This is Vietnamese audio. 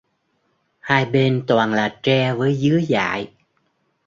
hai bên toàn là tre với dứa dại